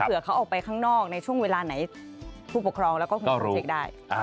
เผื่อเขาออกไปข้างนอกในช่วงเวลาไหนผู้ปกครองแล้วก็คุณครูเช็คได้